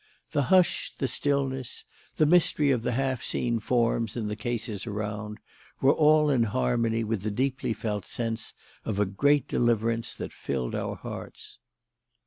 The hush, the stillness, the mystery of the half seen forms in the cases around, were all in harmony with the deeply felt sense of a great deliverance that filled our hearts.